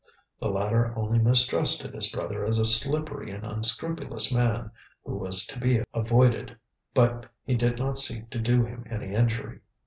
The latter only mistrusted his brother as a slippery and unscrupulous man, who was to be avoided, but he did not seek to do him any injury.